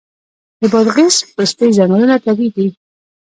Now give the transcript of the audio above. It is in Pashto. د بادغیس پستې ځنګلونه طبیعي دي؟